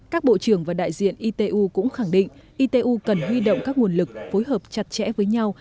các bộ trưởng và đại diện itu cũng khẳng định itu cần huy động các nguồn lực phối hợp chặt chẽ với nhau